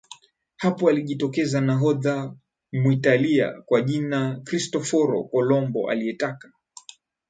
Hapo alijitokeza nahodha Mwitalia kwa jina Kristoforo Kolombo aliyetaka